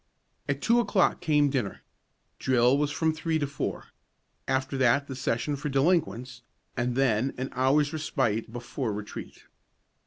At two o'clock came dinner. Drill was from three to four; after that the session for delinquents, and then an hour's respite before retreat.